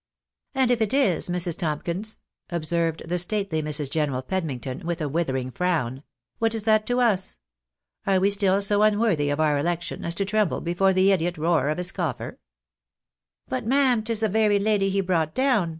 " And if it is, Mrs. Tomkins," observed the stately Mrs. General Pedmington, with a withering frown, " what is that to us ? Are we still so unworthy of our election as to tremble before the idiot roar of a scoffer ?"" But, ma'am, 'tis the very lady he brought down